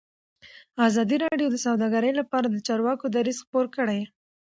ازادي راډیو د سوداګري لپاره د چارواکو دریځ خپور کړی.